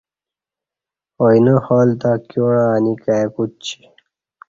اوئینہ حال تہ کیوعں انی کائی کوچی